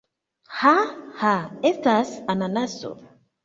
Ha! Ha! Estas ananaso!